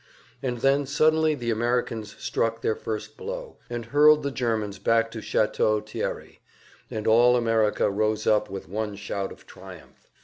And then suddenly the Americans struck their first blow, and hurled the Germans back at Chateau Thierry, and all America rose up with one shout of triumph!